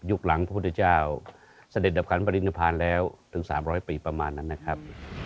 หลังพระพุทธเจ้าเสด็จดับขันปริณภัณฑ์แล้วถึง๓๐๐ปีประมาณนั้นนะครับ